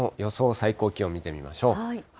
最高気温見てみましょう。